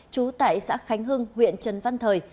trú tại xã khánh hưng huyện trần văn thời